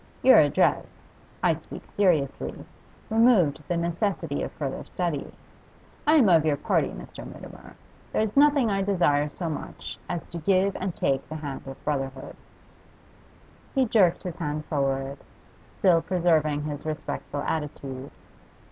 Your address I speak seriously removed the necessity of further study. I am of your party, Mr. Mutimer. There is nothing I desire so much as to give and take the hand of brotherhood.' He jerked his hand forward, still preserving his respectful attitude.